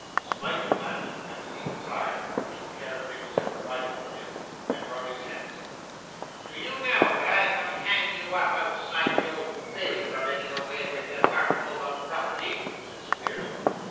Smike glanced at the neat attire which the care of Nicholas had provided for him; and wrung his hands. 'Do you know that I could hang you up, outside of the Old Bailey, for making away with them articles of property?' said Squeers.